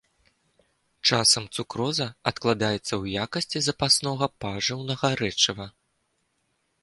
Часам цукроза адкладаецца ў якасці запаснога пажыўнага рэчыва.